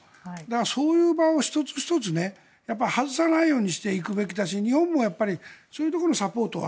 そういう場を１つ１つやっぱり外さないようにしていくべきだし日本もそういうところのサポートは